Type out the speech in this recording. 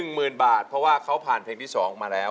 หมื่นบาทเพราะว่าเขาผ่านเพลงที่๒มาแล้ว